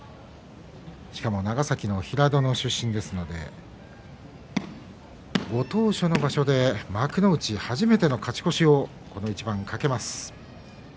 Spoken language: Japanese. しかも長崎の平戸の出身ですのでご当所の場所で幕内初めての勝ち越しをこの一番懸けます。